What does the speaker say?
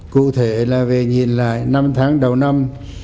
cụ thể là về nhìn lại năm tháng đầu năm